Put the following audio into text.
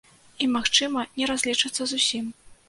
І, магчыма, не разлічацца зусім.